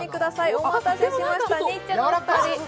お待たせしましたニッチェのお二人。